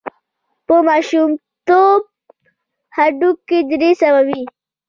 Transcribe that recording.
په ماشومتوب هډوکي درې سوه وي.